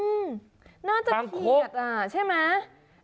อืมน่าจะเขียดใช่ไหม